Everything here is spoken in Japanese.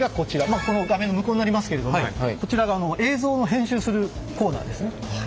まあこの画面の向こうになりますけれどもこちらが映像を編集するコーナーですね。